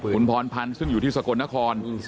คุณพรพันธ์ซึ่งอยู่ที่สกลนคร